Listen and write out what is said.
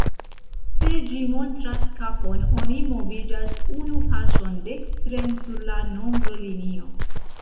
Se ĝi montras kapon, oni moviĝas unu paŝon dekstren sur la nombro-linio.